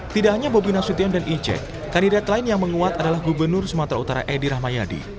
tidak hanya bobi nasution dan ijek kandidat lain yang menguat adalah gubernur sumatera utara edi rahmayadi